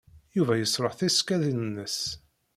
Yuba yesṛuḥ tisekkadin-nnes.